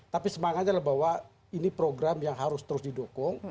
tapi semangatnya adalah bahwa ini program yang harus terus didukung